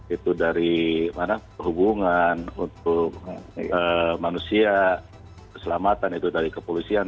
itu dari perhubungan untuk manusia keselamatan itu dari kepolisian